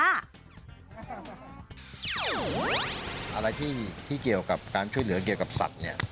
อะไรที่เกี่ยวกับการช่วยเหลือเกี่ยวกับสัตว์เนี่ย